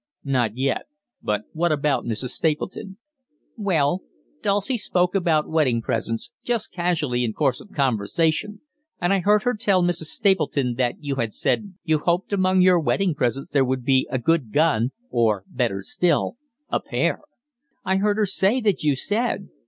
"Not yet. But what about Mrs. Stapleton?" "Well, Dulcie spoke about wedding presents, just casually in course of conversation, and I heard her tell Mrs. Stapleton that you had said you hoped among your wedding presents there would be a good gun, 'or, better still, a pair,' I heard her say that you said.